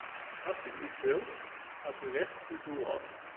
Als u iets wilt, gaat u recht op uw doel af.